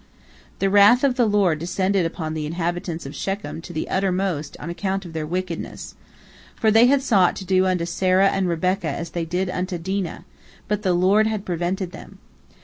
The wrath of the Lord descended upon the inhabitants of Shechem to the uttermost on account of their wickedness. For they had sought to do unto Sarah and Rebekah as they did unto Dinah, but the Lord had prevented them.